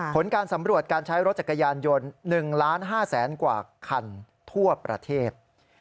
ผลการสำรวจการใช้รถจักรยานยนต์๑๕๐๐๐กว่าคันทั่วประเทศ